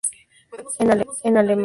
En alemán